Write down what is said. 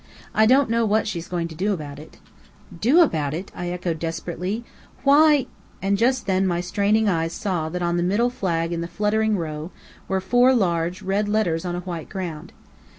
I don't know what she's going to do about it." "Do about it?" I echoed desperately. "Why " and just then my straining eyes saw that on the middle flag in the fluttering row were four large red letters on a white ground.